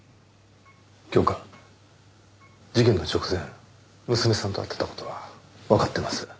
教官事件の直前娘さんと会っていた事はわかってます。